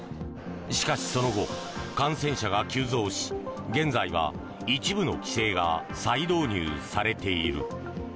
しかし、その後、感染者が急増し現在は一部の規制が再導入されている。